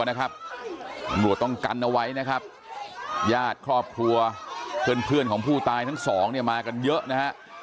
ตำรวจต้องกันเอาไว้นะครับญาติครอบครัวเพื่อนของผู้ตายทั้งสองเนี่ยมากันเยอะนะฮะ